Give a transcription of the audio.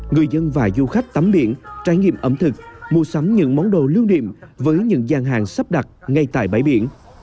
người dân và du khách tắm biển trải nghiệm ẩm thực mua sắm những món đồ lưu niệm với những gian hàng sắp đặt ngay tại bãi biển